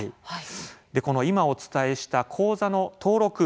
今、お伝えした口座の登録。